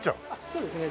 そうですね。